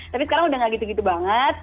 tapi sekarang udah gak gitu gitu banget